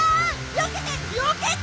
よけてよけて！